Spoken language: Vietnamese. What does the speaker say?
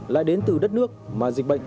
lại đến từ đất nước mà dịch bệnh